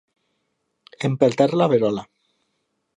Empeltar la verola.